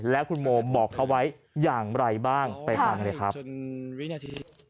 และคุณโมบอกเขาไว้อย่างไรบ้างไปฟังกันเลยครับ